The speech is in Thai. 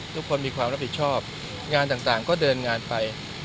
ทุกคนมีความรับผิดชอบงานต่างก็เดินงานไป